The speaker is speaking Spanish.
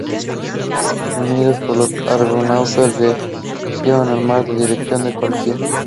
Reunidos pues los Argonautas, se hicieron a la mar en dirección a la Cólquida.